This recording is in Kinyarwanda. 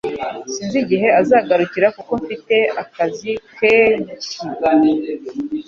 Sinzi igihe azagarukira kuko mfite akazi keshyi